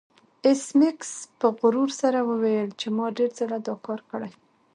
ایس میکس په غرور سره وویل چې ما ډیر ځله دا کار کړی